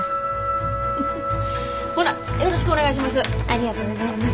ほなよろしくお願いします。